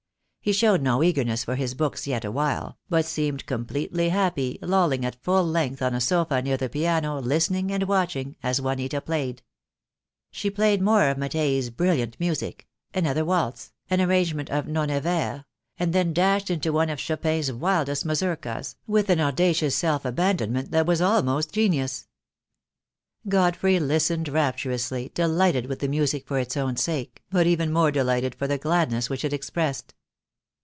He showed no eagerness for his books yet awhile, but seemed completely happy lolling at full length on a sofa near the piano listening and watching as Juanita played. She played more of Mattel's brilliant music — another waltz — an arrangement of Non e ver — and then dashed into one of Chopin's wildest mazurkas, with an audacious self abandonment that was almost genius. Godfrey listened rapturously, delighted with the music for its own sake, but even more delighted for the glad ness which it expressed.